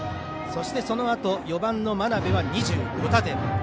そして、そのあと４番の真鍋は２５打点。